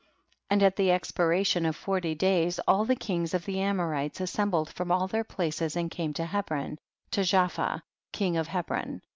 30. And at the expiration of forty days, all the kings of the Amorites assembled from all their places and came to Hebron, to Japhia, king of Hebron.